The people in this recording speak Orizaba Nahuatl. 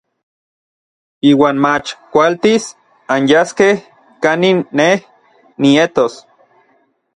Iuan mach kualtis anyaskej kanin nej nietos.